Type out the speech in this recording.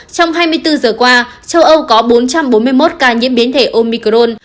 trong hai mươi bốn giờ qua châu âu có bốn trăm bốn mươi một ca nhiễm biến thể omicron